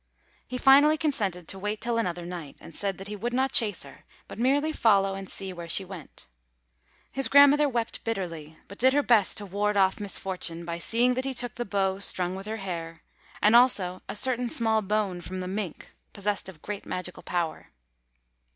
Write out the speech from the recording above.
He finally consented to wait till another night, and said that he would not chase her, but merely follow and see where she went. His grandmother wept bitterly, but did her best to ward off misfortune, by seeing that he took the bow strung with her hair, and also a certain small bone from the mink, possessed of great magical power.